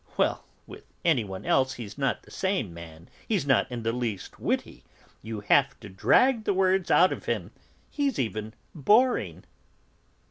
Well, with anyone else he's not the same man, he's not in the least witty, you have to drag the words out of him, he's even boring."